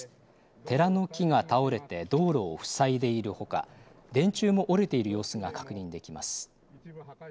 寺の木が倒れて道路を塞いでいるほか、電柱も折れている様子が確認できます。